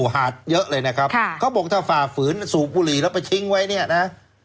หาดเยอะเลยนะครับเขาบอกถ้าฝ่าฝืนสูบบุหรี่แล้วไปทิ้งไว้เนี่ยนะ